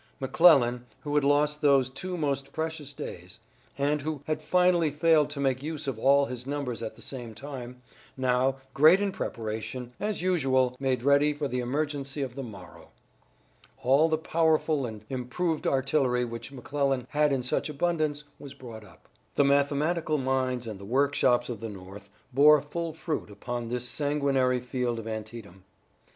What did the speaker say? McClellan, who had lost those two most precious days, and who had finally failed to make use of all his numbers at the same time, now, great in preparation, as usual, made ready for the emergency of the morrow. All the powerful and improved artillery which McClellan had in such abundance was brought up. The mathematical minds and the workshops of the North bore full fruit upon this sanguinary field of Antietam.